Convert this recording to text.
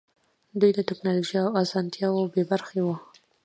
دوی له ټکنالوژۍ او اسانتیاوو بې برخې وو.